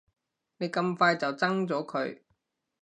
你咁快就憎咗佢